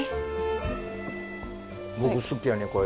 僕好きやねこれ。